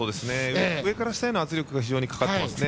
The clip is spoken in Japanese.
上から下への圧力が非常にかかっていますね。